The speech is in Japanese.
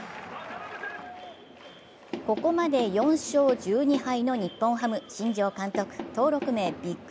ここまで４勝１２敗の日本ハム、新庄監督、登録名ＢＩＧＢＯＳＳ。